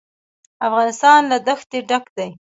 افغانستان له دښتې ډک دی.